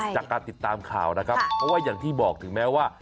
จากการติดตามข่าวนะครับเพราะว่าอย่างที่บอกถึงแม้ว่า